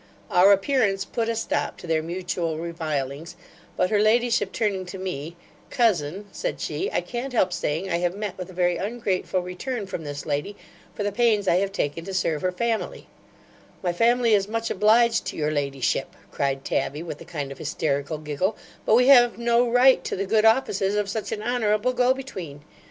Our appearance put a stop to their mutual revilings; but her ladyship turning to me, 'Cousin (said she) I can't help saying I have met with a very ungrateful return from this lady, for the pains I have taken to serve her family' 'My family is much obliged to your ladyship (cried Tabby, with a kind of hysterical giggle); but we have no right to the good offices of such an honourable go between.